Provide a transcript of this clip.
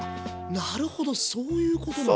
なるほどそういうことなんだ。